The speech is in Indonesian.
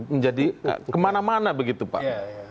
menjadi kemana mana begitu pak